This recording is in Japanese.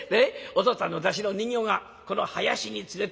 お父っつぁんの山車の人形がこの囃子につれてね